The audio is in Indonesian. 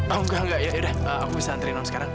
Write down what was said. oh enggak enggak ya udah aku santri non sekarang